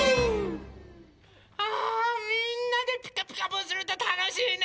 あみんなで「ピカピカブ！」するとたのしいね。